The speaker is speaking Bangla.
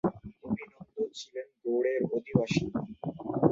অভিনন্দ ছিলেন গৌড়ের অধিবাসী।